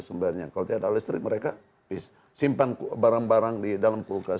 sumbernya kalau tidak ada listrik mereka simpan barang barang di dalam kulkas